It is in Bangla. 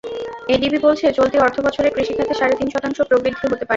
এডিবি বলছে, চলতি অর্থবছরে কৃষি খাতে সাড়ে তিন শতাংশ প্রবৃদ্ধি হতে পারে।